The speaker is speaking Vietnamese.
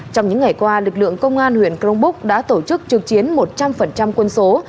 trong những ngày qua lực lượng công an huyện crong búc đã tổ chức trực chiến một trăm linh quân số